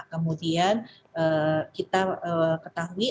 kemudian kita ketahui